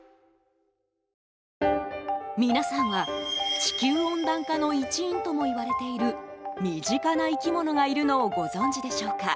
皆さんは、地球温暖化の一因ともいわれている身近な生き物がいるのをご存じでしょうか。